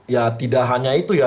ya tidak hanya itu ya